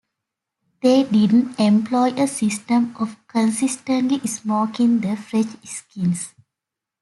They didn't employ a system of consistently smoking the fresh skins.